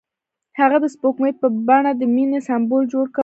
هغه د سپوږمۍ په بڼه د مینې سمبول جوړ کړ.